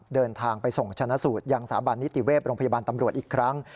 เดินทางไปส่งชนะสูตรยังสาบันนิติเวศโรงพยาบาลตำรวจอีกครั้ง